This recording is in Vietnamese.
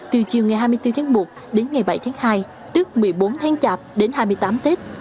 từ chiều ngày hai mươi bốn tháng một đến ngày bảy tháng hai tức một mươi bốn tháng chạp đến hai mươi tám tết